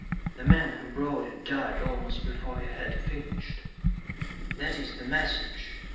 The man who brought it died almost before he had finished. "That is the message.